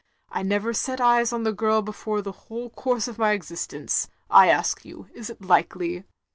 I never set eyes on the girl before in the whole course of my existence. I ask you, is it likely?"